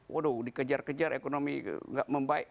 waduh dikejar kejar ekonomi gak membaik